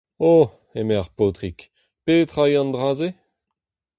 O !, eme ar paotrig, petra eo an dra-se ?